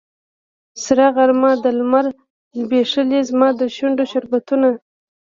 سره غرمه ده لمر ځبیښلې زما د شونډو شربتونه